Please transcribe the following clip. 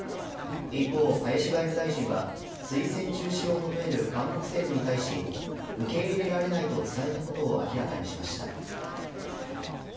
一方、林外務大臣は推薦中止を求める韓国政府に対し受け入れられないと伝えたことを明らかにしました。